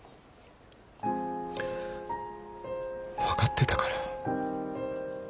分かってたから。